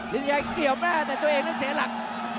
นิติชัยเกี่ยวแม่แต่ตัวเองเสียหลัก